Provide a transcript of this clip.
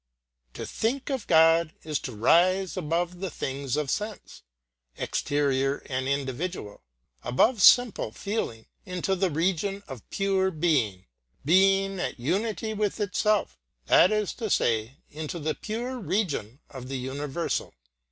To think of God is to rise above the things of sense, [pg 144]exterior and individual, above simple feeling into theregion of pure being; being at unity with itself that is to say, into the pure region of the universal.